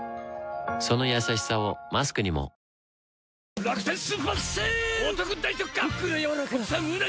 そのやさしさをマスクにもイス？